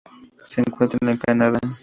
Se encuentra en el Canadá.